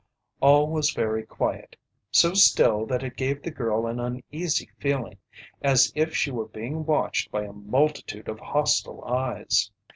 All was very quiet so still that it gave the girl an uneasy feeling, as if she were being watched by a multitude of hostile eyes.